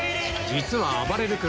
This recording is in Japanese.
実は「あばれる君」